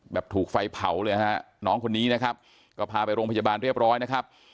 ถูกไฟเผาเลยฮะน้องคนนี้นะครับก็พาไปโรงพยาบาลเรียบร้อยนะครับ